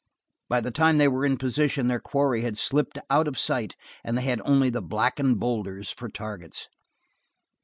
By the time they were in position their quarry had slipped out of sight and they had only the blackening boulders for targets.